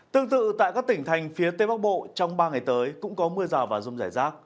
tương tự tại các tỉnh thành phía tây bắc bộ trong ba ngày tới cũng có mưa rào và rông rải rác